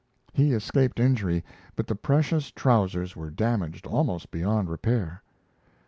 He escaped injury, but the precious trousers were damaged almost beyond repair.